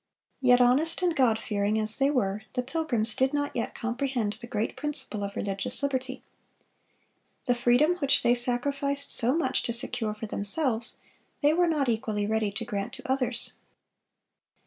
Yet honest and God fearing as they were, the Pilgrims did not yet comprehend the great principle of religious liberty. The freedom which they sacrificed so much to secure for themselves, they were not equally ready to grant to others.